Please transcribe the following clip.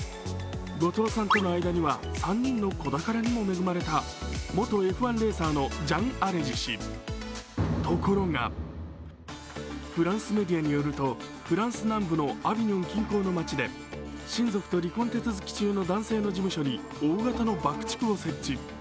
後藤さんとの間には３人の子宝にも恵まれた元Ｆ１レーサーのジャン・アレジ氏、ところがフランスメディアによるとフランス南部のアビニョン近郊の街で親族と離婚手続き中の男性の事務所に大型の爆竹を設置。